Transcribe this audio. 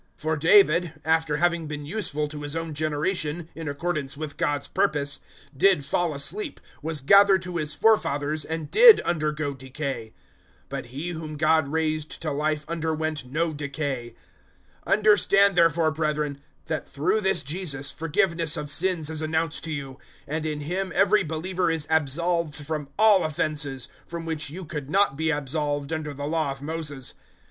013:036 For David, after having been useful to his own generation in accordance with God's purpose, did fall asleep, was gathered to his forefathers, and did undergo decay. 013:037 But He whom God raised to life underwent no decay. 013:038 "Understand therefore, brethren, that through this Jesus forgiveness of sins is announced to you; 013:039 and in Him every believer is absolved from all offences, from which you could not be absolved under the Law of Moses.